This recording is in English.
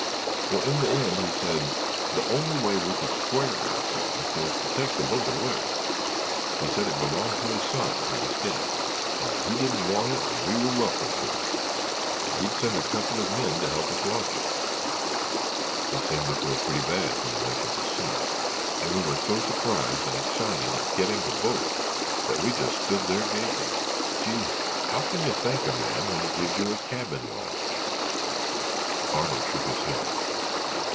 Well, in the end he said the only way we could square ourselves was to take the boat away; he said it belonged to his son who was dead, and that he didn't want it and we were welcome to it and he'd send us a couple of men to help us launch it. He seemed to feel pretty bad when he mentioned his son and we were so surprised and excited at getting the boat that we just stood there gaping. Gee, how can you thank a man when he gives you a cabin launch?" Arnold shook his head.